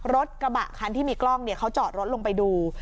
รถกระบะคันที่มีกล้องเขาจอดรถลงไปดู